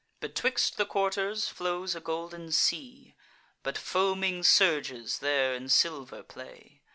Betwixt the quarters flows a golden sea; But foaming surges there in silver play.